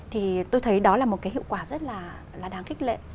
thì tôi thấy đó là một cái hiệu quả rất là đáng khích lệ